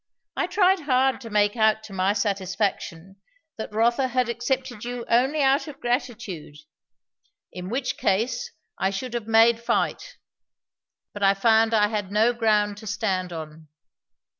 "I tried hard to make out to my satisfaction that Rotha had accepted you only out of gratitude in which case I should have made fight; but I found I had no ground to stand on."